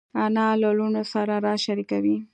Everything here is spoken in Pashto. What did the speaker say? انا له لوڼو سره راز شریکوي